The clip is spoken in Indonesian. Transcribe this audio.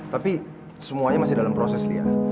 tapi semuanya masih dalam proses lihat